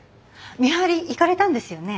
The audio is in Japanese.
見張り行かれたんですよね。